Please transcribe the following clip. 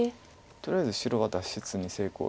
とりあえず白は脱出に成功。